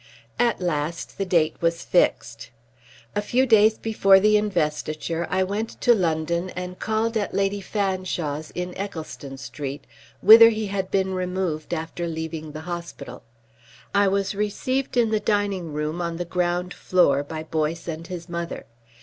At last the date was fixed. A few days before the Investiture I went to London and called at Lady Fanshawe's in Eccleston Street, whither he had been removed after leaving the hospital. I was received in the dining room on the ground floor by Boyce and his mother.